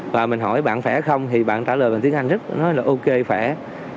và mình hỏi bạn phải không thì bạn trả lời bằng tiếng anh rất là ok phải